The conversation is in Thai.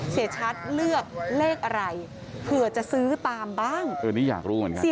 เสียชัดเลือกเลขอะไรเผื่อจะซื้อตามบ้างเออนี่อยากรู้เหมือนกัน